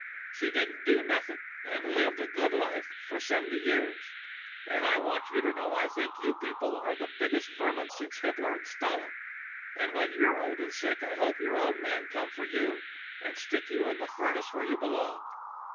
She didn't do nothing and lived a good life for seventy years and I want you to know I think you people are the biggest vermin since Hitler and Stalin and when youre old and sick I hope your own men come for you and stick you in the furnace where you belong.